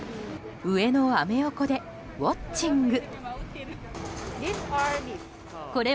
上野アメ横でウォッチング。